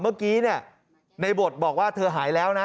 เมื่อกี้เนี่ยในบทบอกว่าเธอหายแล้วนะ